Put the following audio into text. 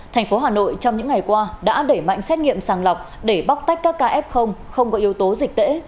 thành phố hà nội trong những ngày qua đã đẩy mạnh xét nghiệm sàng lọc để bóc tách các ca f không có yếu tố dịch tễ